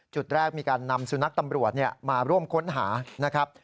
จุดแรกมีการนำสุนัขตำรวจมาร่วมค้นหานะครับ